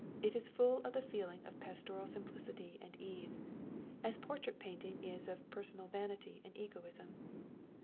It is as full of the feeling of pastoral simplicity and ease, as portrait painting is of personal vanity and egotism.